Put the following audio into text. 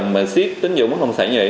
mà xét tính dụng bất động sản như vậy